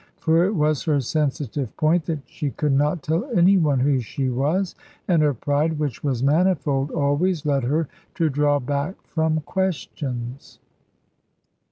For it was her sensitive point that she could not tell any one who she was; and her pride (which was manifold) always led her to draw back from questions.